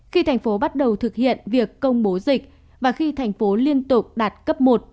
khi thành phố bắt đầu thực hiện việc công bố dịch và khi thành phố liên tục đạt cấp một